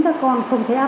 các con không thấy áp lực